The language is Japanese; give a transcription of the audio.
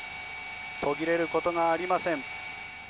途切れることがありません。